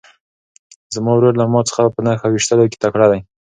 زما ورور له ما څخه په نښه ویشتلو کې تکړه دی.